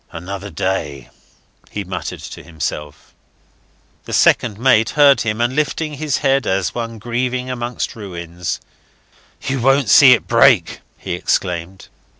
"Another day," he muttered to himself. The second mate heard him, and lifting his head as one grieving amongst ruins, "You won't see it break," he exclaimed.